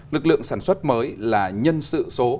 nực lượng sản xuất mới là nhân sự số